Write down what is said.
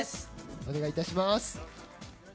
お願いいたします。